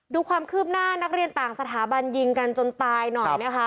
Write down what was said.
ดูความคืบหน้านักเรียนต่างสถาบันยิงกันจนตายหน่อยนะคะ